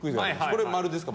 これ○ですか？